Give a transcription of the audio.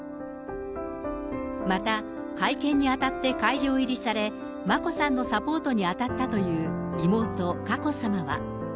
また、会見にあたって会場入りされ、眞子さんのサポートに当たったという妹、佳子さまは。